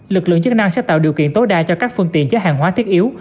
lực lượng chức năng sẽ tạo điều kiện tối đa cho các phương tiện chứa hàng hóa thiết yếu